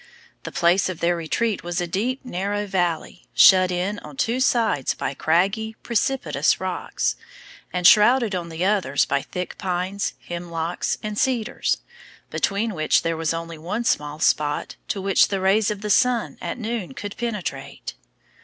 The place of their retreat was a deep narrow valley, shut in on two sides by craggy, precipitous rocks, and shrouded on the others by thick pines, hemlocks and cedars, between which there was only one small spot, to which the rays of the sun at noon could penetrate.